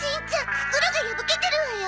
袋が破けてるわよ。